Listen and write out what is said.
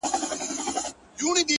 ټوله شپه خوبونه وي،